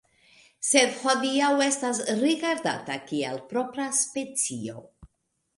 Sed hodiaŭ estas rigardata kiel propra specio.